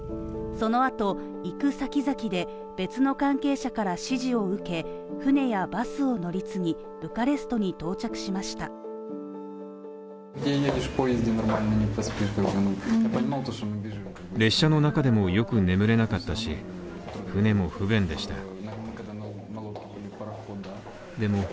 そのあと、行く先々で別の関係者から指示を受け船やバスを乗り継ぎ、ブカレストに到着しました。